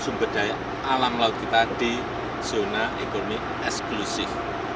untuk memperdayakan alam laut kita di zona ekonomi eksklusif